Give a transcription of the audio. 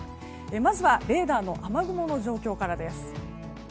まずはレーダーの雨雲の状況からです。